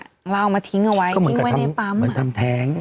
แล้วเอามาทิ้งไว้ทิ้งไว้ในปั๊ม